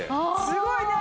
すごいね！